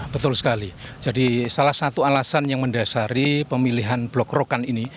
betul sekali jadi salah satu alasan yang mendasari pemilihan blok rokan ini